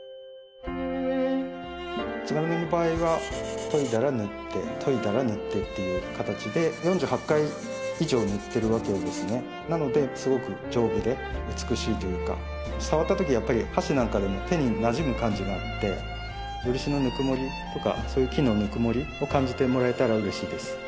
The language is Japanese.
津軽塗の場合は研いだら塗って研いだら塗ってっていう形で４８回以上塗ってるわけですねなのですごく丈夫で美しいというか触ったとき箸なんかでも手になじむ感じがあって漆のぬくもりとかそういう木のぬくもりを感じてもらえたら嬉しいです